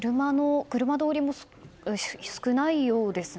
車通りも少ないようですね。